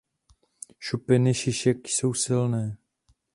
Šupiny šišek jsou silné.